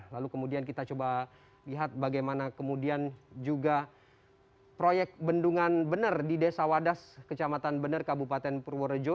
lalu kemudian kita coba lihat bagaimana kemudian juga proyek bendungan bener di desa wadas kecamatan bener kabupaten purworejo